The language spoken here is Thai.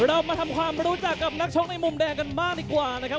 เรามาทำความรู้จักกับนักชกในมุมแดงกันบ้างดีกว่านะครับ